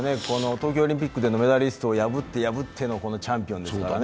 東京オリンピックでのメダリストを破って、破ってでのチャンピオンですからね。